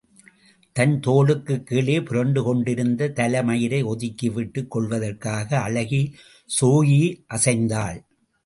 தன் தோளுக்குக் கீழே புரண்டு கொண்டிருந்த தலை மயிரை ஒதுக்கிவிட்டுக் கொள்வதற்காக அழகி ஸோயி அசைந்தாள்.